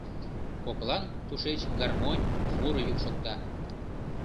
Коклан тушеч гармонь, муро йӱк шокта.